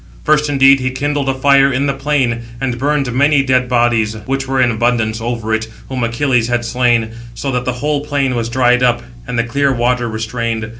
First, indeed, he kindled a fire in the plain, and burned many dead bodies, which were in abundance, over it, whom Achilles had slain; so that the whole plain was dried up, and the clear water restrained.